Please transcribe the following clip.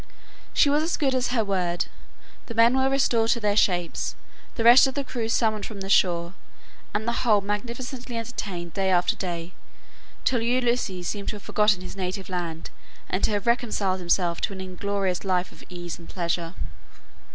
She was as good as her word. The men were restored to their shapes, the rest of the crew summoned from the shore, and the whole magnificently entertained day after day, till Ulysses seemed to have forgotten his native land, and to have reconciled himself to an inglorious life of ease and pleasure.